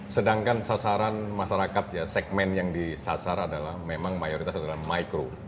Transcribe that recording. sedangkan sasaran masyarakat ya segmen yang disasar adalah memang mayoritas adalah micro